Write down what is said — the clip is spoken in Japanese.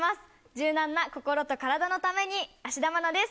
柔軟な心と体のために芦田愛菜です。